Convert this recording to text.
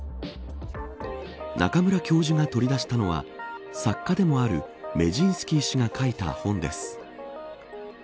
中村教授が取り出したのは作家でもあるメジンスキー氏が書いた本です。